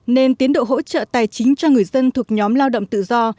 nên tiến độ hỗ trợ tài chính cho người dân thuộc nhóm lao động tự do